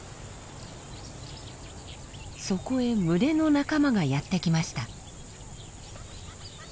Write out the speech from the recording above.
そこへ群れの仲間がやって来ました。